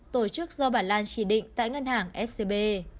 tổ chức do bà lan chỉ định tại ngân hàng scb